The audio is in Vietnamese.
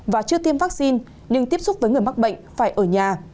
và chưa tiêm vaccine nhưng tiếp xúc với người mắc bệnh phải ở nhà